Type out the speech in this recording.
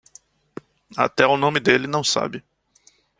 Até o nome dele não sabe